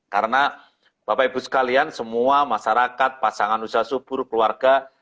karena bapak ibu sekalian semua masyarakat pasangan usaha subur keluarga